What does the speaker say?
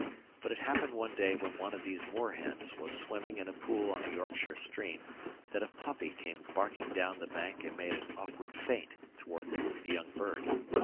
But it happened one day when one of these moorhens was swimming in a pool on a Yorkshire stream, that a puppy came barking down the bank and made an awkward feint towards the young bird.